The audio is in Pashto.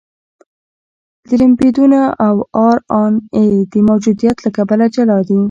د لیپیدونو او ار ان اې د موجودیت له کبله جلا دي.